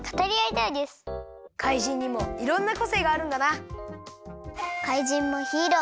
怪人にもいろんなこせいがあるんだなあ。